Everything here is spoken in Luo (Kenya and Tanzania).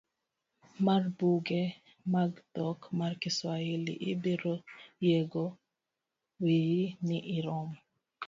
Mar buge mag dhok mar Kiswahili ibiro yiengo wiyi ni iromo.